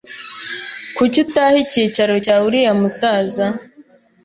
Kuki utaha icyicaro cyawe uriya musaza?